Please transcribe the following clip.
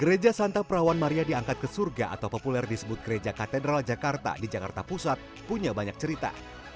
gereja santa perawan maria diangkat ke surga atau populer disebut gereja katedral jakarta di jakarta pusat punya banyak cerita